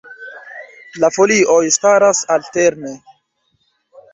La folioj staras alterne.